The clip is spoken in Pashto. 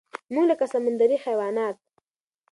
مونږ لکه سمندري حيوانات